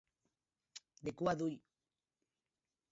De cua d'ull.